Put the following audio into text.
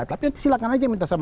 saya kasih kesempatan